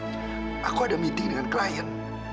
iya ras tapi aku ada meeting dengan klien